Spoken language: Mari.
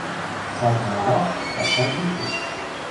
Кажне озак Саскай кид гыч